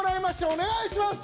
おねがいします！